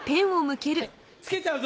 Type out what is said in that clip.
つけちゃうぞ！